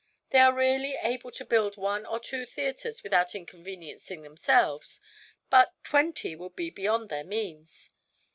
They are really able to build one or two theatres without inconveniencing themselves, but twenty would be beyond their means.